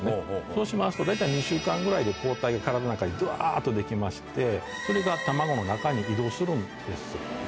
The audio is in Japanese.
そうしますと大体２週間ぐらいで抗体が体の中にドワっとできましてそれが卵の中に移動するんです。